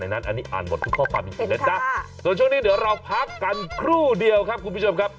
นั่งไม่ตัดสินว่าเป็นเพราะอะไร